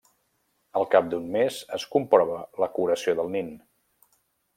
Al cap d'un mes es comprova la curació del nin.